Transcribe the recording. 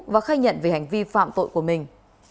và khai nhận về hành vi phạm tội của mình